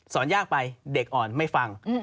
ยากไปเด็กอ่อนไม่ฟัง